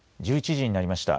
１１時になりました。